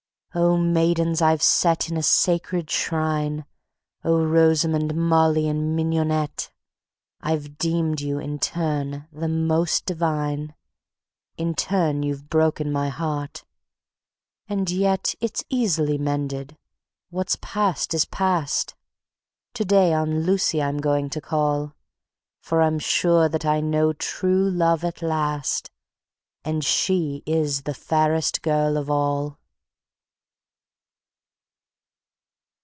Oh, maidens I've set in a sacred shrine, Oh, Rosamond, Molly and Mignonette, I've deemed you in turn the most divine, In turn you've broken my heart ... and yet It's easily mended. What's past is past. To day on Lucy I'm going to call; For I'm sure that I know true love at last, And She is the fairest girl of all.